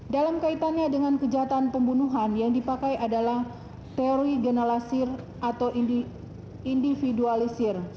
dalam kaitannya dengan kejahatan pembunuhan yang dipakai adalah teori genalasir atau individualisir